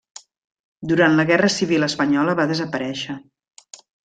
Durant la guerra civil espanyola va desaparèixer.